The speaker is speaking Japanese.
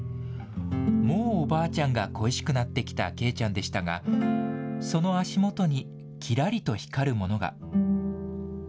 もうおばあちゃんが恋しくなってきたケイちゃんでしたが、その足元にきらりと光るものが。